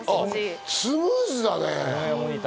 スムーズだね。